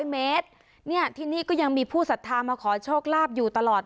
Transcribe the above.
เมตรเนี่ยที่นี่ก็ยังมีผู้สัทธามาขอโชคลาภอยู่ตลอด